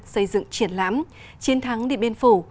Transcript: xây dựng triển lãm chiến thắng điện biên phủ